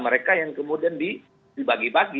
mereka yang kemudian dibagi bagi